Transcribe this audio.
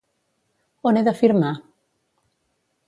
On he de firmar?